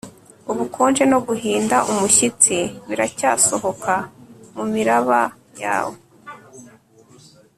ubukonje no guhinda umushyitsi biracyasohoka mumiraba yawe